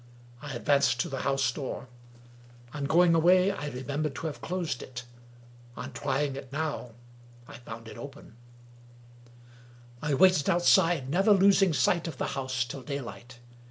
I advanced to the house door. On going away, I remembered to have closed it ; on trying it now, I found it open. 252 WUkie Collins I waited outside, never losing sight of the house till daylight.